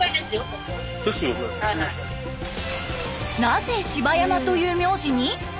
なぜ柴山という名字に？